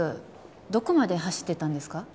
どこまで走ってったんですか？